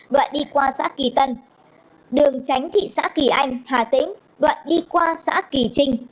đoạn đi qua xã kỳ tân đường tránh thị xã kỳ anh hà tĩnh đoạn đi qua xã kỳ trinh